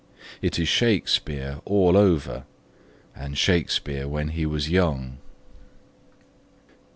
It is Shakespeare all over, and Shakespeare when he was young.